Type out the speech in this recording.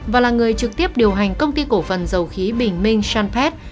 và là người trực tiếp điều hành công ty cổ phần dầu khí bình minh sunpace